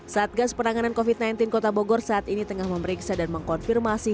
satgas penanganan covid sembilan belas kota bogor saat ini tengah memeriksa dan mengkonfirmasi